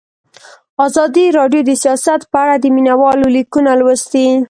ازادي راډیو د سیاست په اړه د مینه والو لیکونه لوستي.